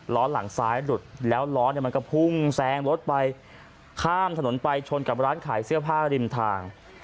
ล้อหลังซ้ายหลุดแล้วล้อเนี่ยมันก็พุ่งแซงรถไปข้ามถนนไปชนกับร้านขายเสื้อผ้าริมทาง